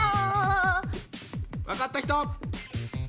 分かった人！